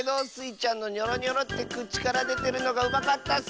ちゃんのニョロニョロってくちからでてるのがうまかったッス！